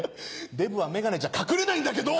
デブは眼鏡じゃ隠れないんだけど。